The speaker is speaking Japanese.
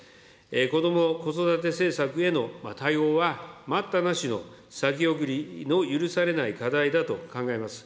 こども・子育て政策への対応は待ったなしの先送りの許されない課題だと考えます。